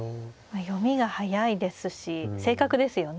読みが速いですし正確ですよね。